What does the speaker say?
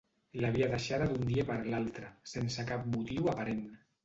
L'havia deixada d'un dia per l'altre, sense cap motiu aparent.